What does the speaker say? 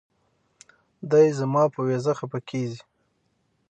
دے زما پۀ وېزه خفه کيږي